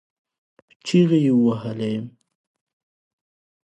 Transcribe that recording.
چغې يې ووهلې.